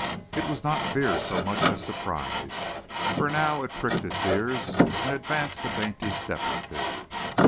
It was not fear so much as surprise, for now it pricked its ears and advanced a dainty step or two.